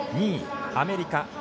２位、アメリカ。